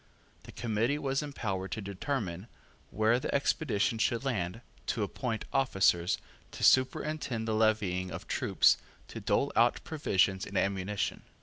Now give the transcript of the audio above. This committee was empowered to determine where the expedition should land, to appoint officers, to superintend the levying of troops, to dole out provisions and ammunition.